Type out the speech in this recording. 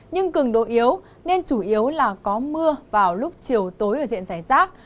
nhưng cường độ yếu nên chủ yếu là có mưa vào lúc chiều tối ở diện giải rác